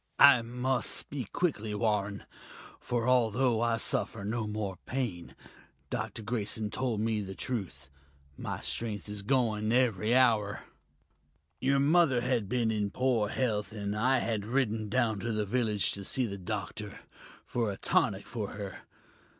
"I must speak quickly, Warren, for although I suffer no more pain, Dr. Grayson told me the truth my strength is going every hour. Your mother had been in poor health, and I had ridden down to the village to see the doctor, for a tonic for her.